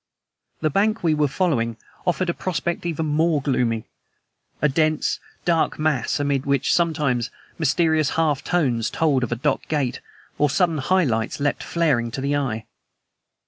The bank we were following offered a prospect even more gloomy a dense, dark mass, amid which, sometimes, mysterious half tones told of a dock gate, or sudden high lights leapt flaring to the eye.